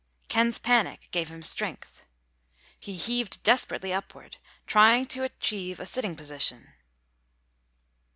Ken's panic gave him strength. He heaved desperately upward, trying to achieve a sitting position.